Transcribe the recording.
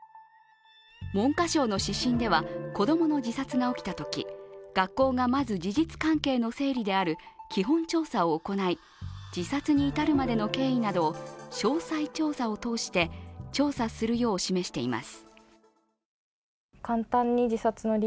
文科省の指針では、子供の自殺が起きたとき学校がまず事実関係の整理である基本調査を行い自殺に至るまでの経緯などを詳細調査を通して調査するよう示しています。